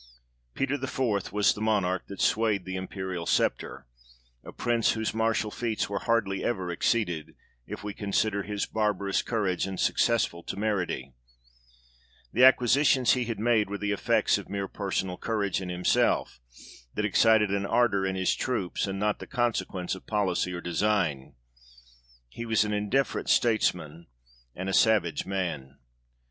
Peter the IVth was the Monarch that swayed the imperial sceptre ; a Prince whose martial feats were hardly ever exceeded, if we consider his barbarous courage and successful temerity ; the acquisitions he had made were the effects of mere personal courage in himself, that excited an ardour in his troops, and not the consequence of policy or design ; he was an indifferent statesman, and a savage man.